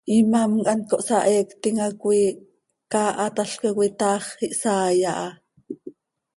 Imám quih hant cohsaheectim ha coi caahatalca coi, taax ihsaai aha.